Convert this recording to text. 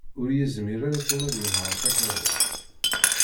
Ur yezmir ara Tom ad yenheṛ takeṛṛust.